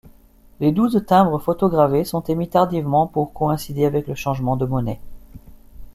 Les douze timbres photogravés sont émis tardivement pour coïncider avec le changement de monnaie.